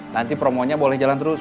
nanti promonya boleh jalan terus